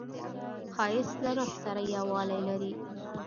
ښایست له روح سره یووالی لري